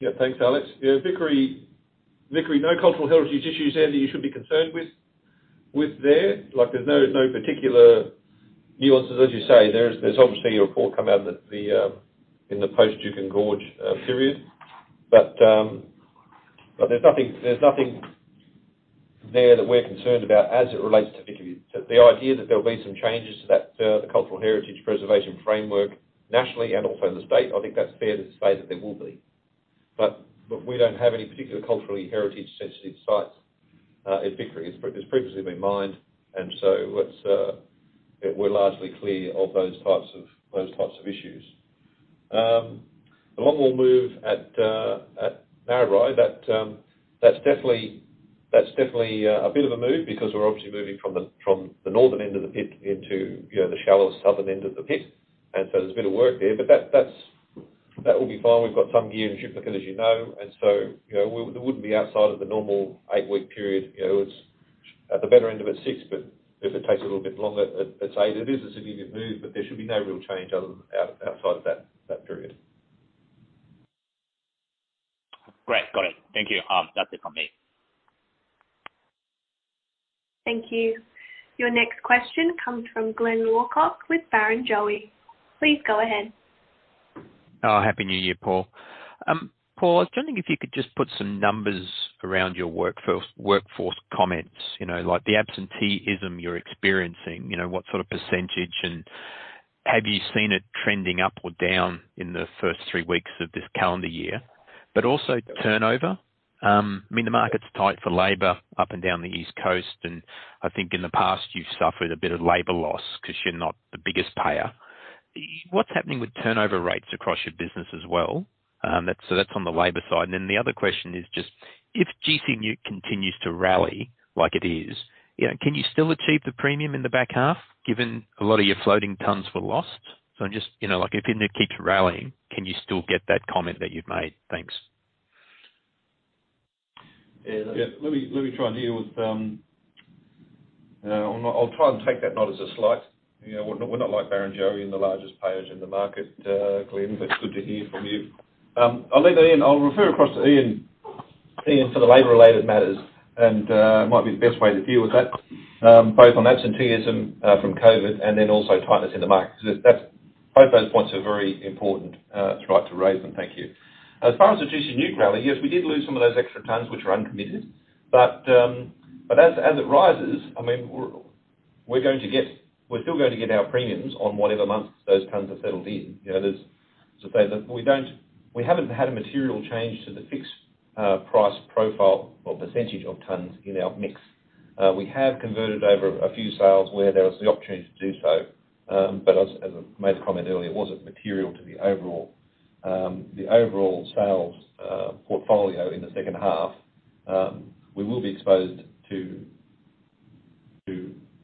Yeah. Thanks, Alex. Yeah. Vickery, no cultural heritage issues there that you should be concerned with there. There's no particular nuances, as you say. There's obviously a report coming out in the post-Juukan Gorge period, but there's nothing there that we're concerned about as it relates to Vickery. The idea that there'll be some changes to the cultural heritage preservation framework nationally and also in the state, I think that's fair to say that there will be, but we don't have any particular cultural heritage-sensitive sites in Vickery. It's previously been mined, and so we're largely clear of those types of issues. The longwall move at Narrabri, that's definitely a bit of a move because we're obviously moving from the northern end of the pit into the shallow southern end of the pit, and so there's a bit of work there, but that will be fine. We've got some gear in Schupliker, as you know, and so we wouldn't be outside of the normal eight-week period. It's at the better end of it, six, but if it takes a little bit longer, let's say it is a significant move, but there should be no real change outside of that period. Great. Got it. Thank you. That's it from me. Thank you. Your next question comes from Glyn Lawcock with Barrenjoey. Please go ahead. Oh, happy New Year, Paul. Paul, I was wondering if you could just put some numbers around your workforce comments, like the absenteeism you're experiencing, what sort of percentage, and have you seen it trending up or down in the first three weeks of this calendar year? But also turnover. I mean, the market's tight for labor up and down the East Coast, and I think in the past, you've suffered a bit of labor loss because you're not the biggest payer. What's happening with turnover rates across your business as well? So that's on the labor side. And then the other question is just if GC NEWC continues to rally like it is, can you still achieve the premium in the back half given a lot of your floating tons were lost? So if it keeps rallying, can you still get that comment that you've made? T hanks. Yeah. Let me try and deal with that. I'll try and take that not as a slight. We're not like Barrenjoey and the largest payers in the market, Glyn, but it's good to hear from you. I'll leave that in. I'll refer across to Ian for the labor-related matters, and it might be the best way to deal with that, both on absenteeism from COVID and then also tightness in the market. Because both those points are very important. It's right to raise them. Thank you. As far as the GC NEWC rally, yes, we did lose some of those extra tons, which are uncommitted. But as it rises, I mean, we're still going to get our premiums on whatever month those tons are settled in. As I say, we haven't had a material change to the fixed price profile or percentage of tons in our mix. We have converted over a few sales where there was the opportunity to do so. But as I made the comment earlier, it wasn't material to the overall sales portfolio in the second half. We will be exposed to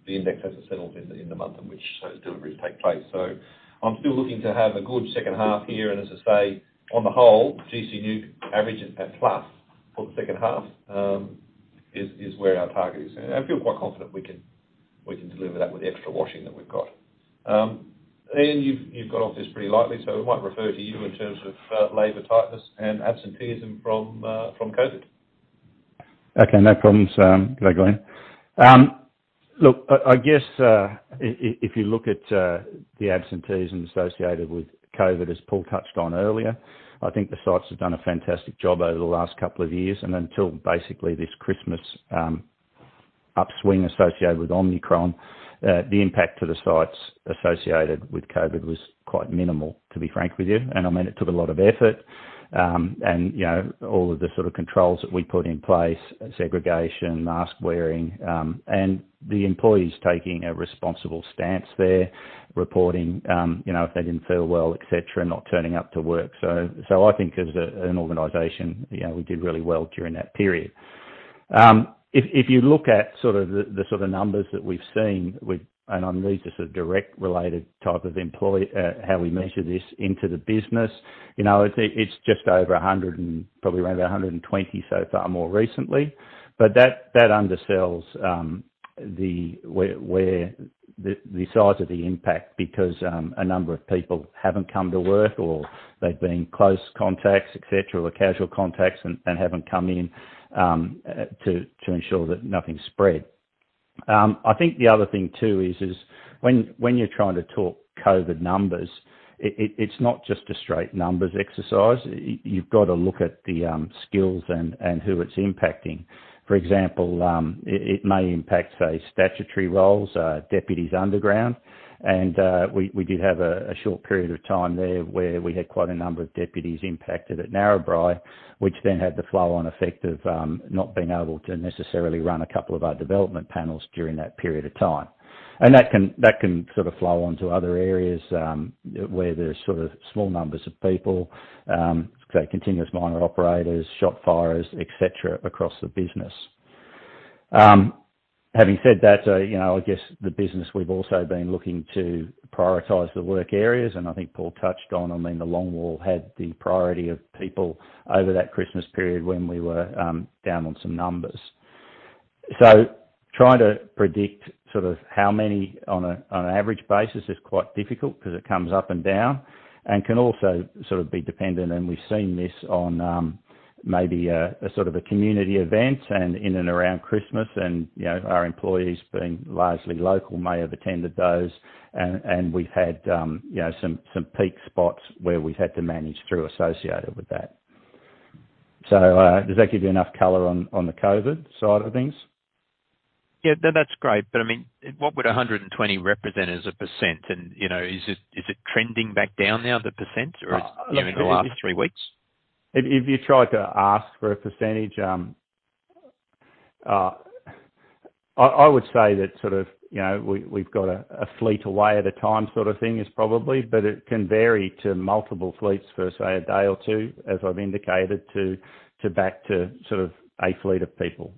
the index as it settles in the month in which those deliveries take place. So I'm still looking to have a good second half here. And as I say, on the whole, GC NEWC average at plus for the second half is where our target is. And I feel quite confident we can deliver that with the extra washing that we've got. And you've got off this pretty lightly, so we might refer to you in terms of labor tightness and absenteeism from COVID. Okay. No problems. Go ahead, Glyn. Look, I guess if you look at the absenteeism associated with COVID, as Paul touched on earlier, I think the sites have done a fantastic job over the last couple of years. And until basically this Christmas upswing associated with Omicron, the impact to the sites associated with COVID was quite minimal, to be frank with you. And I mean, it took a lot of effort. And all of the sort of controls that we put in place, segregation, mask wearing, and the employees taking a responsible stance there, reporting if they didn't feel well, etc., not turning up to work. So I think as an organization, we did really well during that period. If you look at sort of the numbers that we've seen, and I mean, these are sort of direct-related type of how we measure this into the business, it's just over 100 and probably around 120 so far more recently. But that undersells the size of the impact because a number of people haven't come to work or they've been close contacts, etc., or casual contacts and haven't come in to ensure that nothing spread. I think the other thing too is when you're trying to talk COVID numbers, it's not just a straight numbers exercise. You've got to look at the skills and who it's impacting. For example, it may impact, say, statutory roles, deputies underground. We did have a short period of time there where we had quite a number of deputies impacted at Narrabri, which then had the flow-on effect of not being able to necessarily run a couple of our development panels during that period of time. And that can sort of flow on to other areas where there's sort of small numbers of people, say, continuous miner operators, shot firers, etc., across the business. Having said that, I guess the business, we've also been looking to prioritize the work areas. And I think Paul touched on, I mean, the longwall had the priority of people over that Christmas period when we were down on some numbers. So trying to predict sort of how many on an average basis is quite difficult because it comes up and down and can also sort of be dependent. And we've seen this on maybe a sort of a community event and in and around Christmas. And our employees being largely local may have attended those. And we've had some peak spots where we've had to manage through associated with that. So does that give you enough color on the COVID side of things? Yeah. That's great. But I mean, what would 120 represent as a percent? And is it trending back down now, the percent, or it's in the last three weeks? If you try to ask for a percentage, I would say that sort of we've got a fleet away at a time sort of thing is probably, but it can vary to multiple fleets for, say, a day or two, as I've indicated, to back to sort of a fleet of people.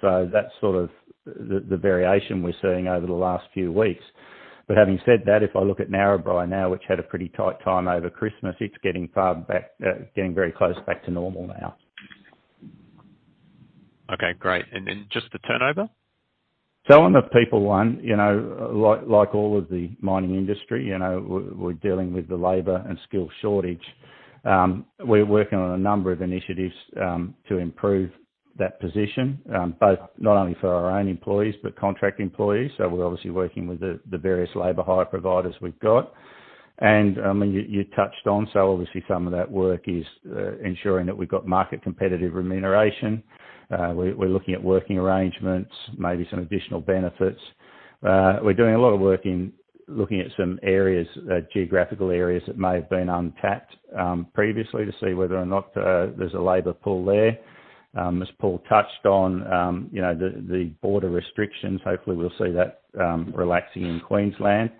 So that's sort of the variation we're seeing over the last few weeks. But having said that, if I look at Narrabri now, which had a pretty tight time over Christmas, it's getting very close back to normal now. Okay. Great. And then just the turnover? So on the people one, like all of the mining industry, we're dealing with the labor and skill shortage. We're working on a number of initiatives to improve that position, both not only for our own employees but contract employees. So we're obviously working with the various labor hire providers we've got. And I mean, you touched on, so obviously some of that work is ensuring that we've got market-competitive remuneration. We're looking at working arrangements, maybe some additional benefits. We're doing a lot of work in looking at some geographical areas that may have been untapped previously to see whether or not there's a labor pull there. As Paul touched on, the border restrictions. Hopefully we'll see that relaxing in Queensland,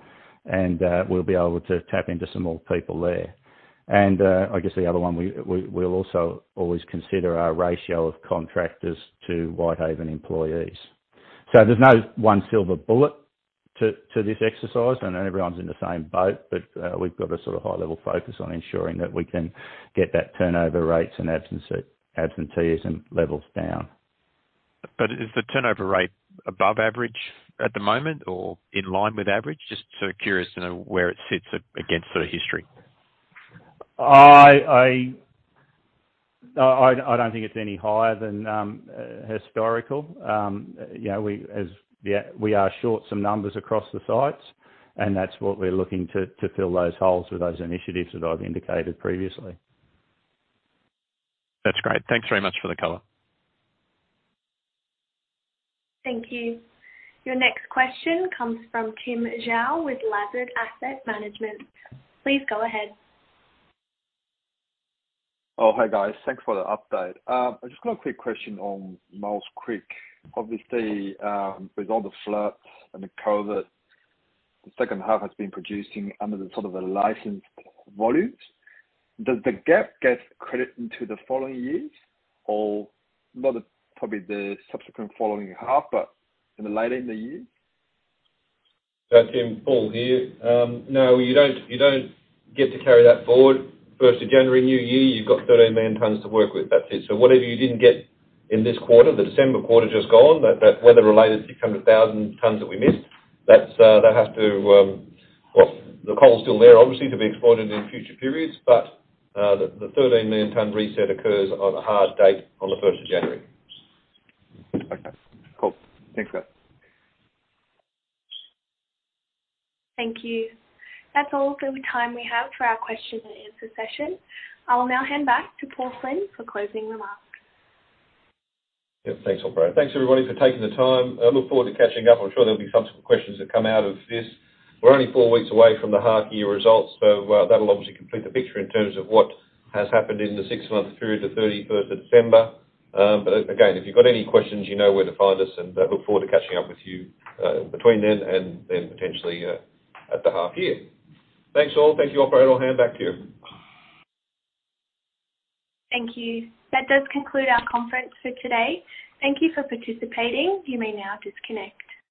and we'll be able to tap into some more people there. And I guess the other one we'll also always consider our ratio of contractors to Whitehaven employees. So there's no one silver bullet to this exercise, and everyone's in the same boat, but we've got a sort of high-level focus on ensuring that we can get that turnover rates and absenteeism levels down. But is the turnover rate above average at the moment or in line with average? Just so curious to know where it sits against sort of history. I don't think it's any higher than historical. We are short some numbers across the sites, and that's what we're looking to fill those holes with those initiatives that I've indicated previously. That's great. Thanks very much for the color. Thank you. Your next question comes from Tim Zhao with Lazard Asset Management. Please go ahead. Oh, hey, guys. Thanks for the update. I just got a quick question on Maules Creek. Obviously, with all the floods and the COVID, the second half has been producing under the sort of licensed volumes. Does the gap get credit into the following years or not, probably the subsequent following half, but in the later in the years? Tim, Paul here. No, you don't get to carry that forward. First of January, new year, you've got 30 million tons to work with. That's it. So whatever you didn't get in this quarter, the December quarter just gone, that weather-related 600,000 tons that we missed, that has to, well, the coal's still there, obviously, to be exploited in future periods. But the 13 million ton reset occurs on a hard date on the 1st of January. Okay. Cool. Thanks, guys. Thank you. That's all for the time we have for our question-and-answer session. I'll now hand back to Paul Flynn for closing remarks. Yep. Thanks, operator. Thanks, everybody, for taking the time. I look forward to catching up. I'm sure there'll be some questions that come out of this. We're only four weeks away from the half-year results, so that'll obviously complete the picture in terms of what has happened in the six-month period to 31st of December. But again, if you've got any questions, you know where to find us, and look forward to catching up with you between then and then potentially at the half-year. Thanks, all. Thank you, operator. I'll hand back to you. Thank you. That does conclude our conference for today. Thank you for participating. You may now disconnect.